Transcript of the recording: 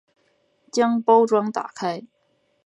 将包装打开